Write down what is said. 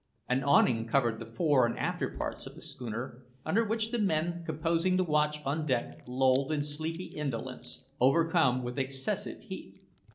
An awning covered the fore and after parts of the schooner, under which the men composing the watch on deck lolled in sleepy indolence, overcome with excessive heat.